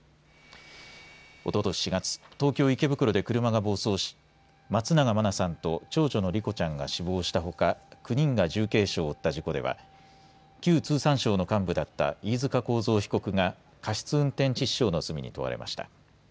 おととし４月、東京池袋で車が暴走し松永真菜さんと長女の莉子ちゃんが死亡したほか、９人が重軽傷を負った事故では旧通産省の幹部だった飯塚幸三被告が過失運転致死傷の罪に問われました。